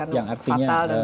iya kan fatal